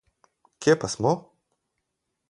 Kje pa smo?